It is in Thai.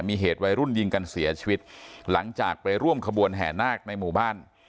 มีเหตุวัยรุ่นยิงกันเสียชีวิตหลังจากไปร่วมขบวนแห่นาคในหมู่บ้าน